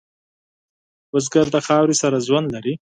بزګر د خاورې سره ژوند لري